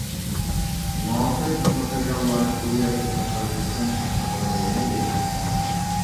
مۇناسىۋەتلىك ماتېرىياللارنى بۇ يەرگە چاپلاي دېسەم چاپلىغىلى بولمىدى.